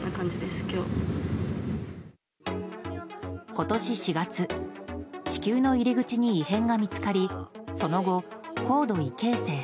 今年４月子宮の入り口に異変が見つかりその後、高度異形成